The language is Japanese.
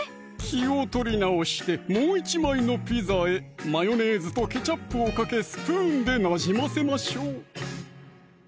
気を取り直してもう１枚のピザへマヨネーズとケチャップをかけスプーンでなじませましょう